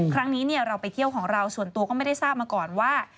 ครั้งนี้เราไปเที่ยวของเราส่วนตัวก็ไม่ได้ทราบมาก่อนว่า